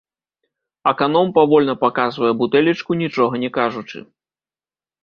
Аканом павольна паказвае бутэлечку, нічога не кажучы.